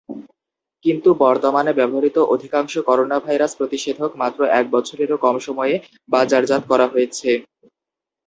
কিন্তু বর্তমানে ব্যবহৃত অধিকাংশ করোনাভাইরাস প্রতিষেধক মাত্র এক বছরেরও কম সময়ে বাজারজাত করা হয়েছে।